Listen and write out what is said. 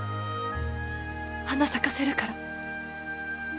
花咲かせるから